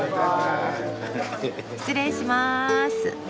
失礼します。